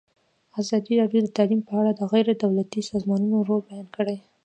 ازادي راډیو د تعلیم په اړه د غیر دولتي سازمانونو رول بیان کړی.